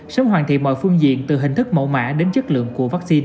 sớm hoàn thiện mọi phương diện từ hình thức mẫu mã đến chất lượng của vaccine